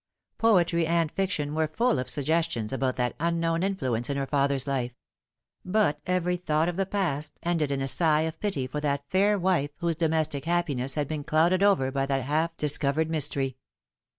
Poetry and fiction were full of suggestions about that unknown influence in her father's life ; but every thought of the past ended in a sigh of pity for that fair wife whose domestic happiness had ben clouded over by that half discovered mystery.